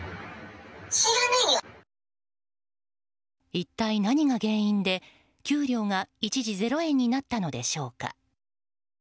一体何が原因で、給料が一時ゼロ円になったのでしょうか。